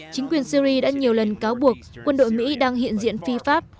chính quyền syri đã nhiều lần cáo buộc quân đội mỹ đang hiện diện phi pháp